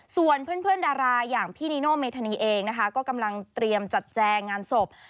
ส่วนเพื่อนดาราอย่างพี่นีโนเมธานีเองนะคะก็กำลังเตรียมจัดแจงงานศพ